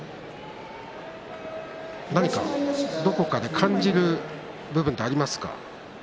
何かどこかで感じる部分はありますか？